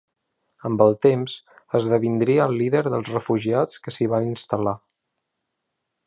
Amb el temps esdevindria el líder dels refugiats que s'hi van instal·lar.